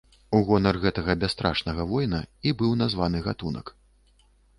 У гонар гэтага бясстрашнага воіна і быў названы гатунак.